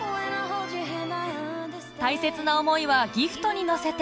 大切な思いはギフトに乗せて